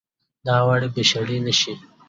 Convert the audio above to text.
دا وړۍ به شړۍ نه شي